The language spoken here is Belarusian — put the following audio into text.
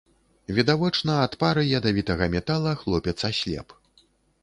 Відавочна, ад пары ядавітага метала хлопец аслеп.